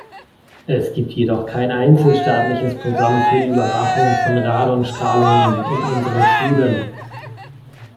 Es gibt jedoch kein einzelstaatliches Programm für die Überwachung von Radonstrahlungen in unseren Schulen.